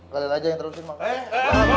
kalian aja yang terusin makanya